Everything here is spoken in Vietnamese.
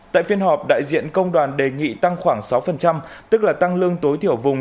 tại phiên họp đại diện công đoàn đề nghị tăng khoảng sáu tức là tăng lương tối thiểu vùng